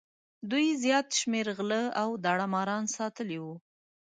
دوی زیات شمېر غله او داړه ماران ساتلي وو.